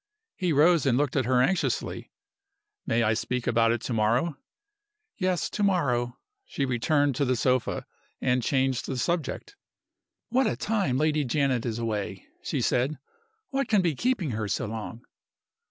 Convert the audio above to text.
He rose and looked at her anxiously. "May I speak about it to morrow?" "Yes, to morrow." She returned to the sofa, and changed the subject. "What a time Lady Janet is away!" she said. "What can be keeping her so long?"